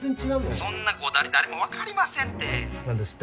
そんなこだわり誰も分かりませんって何ですって？